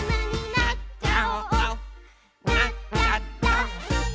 「なっちゃった！」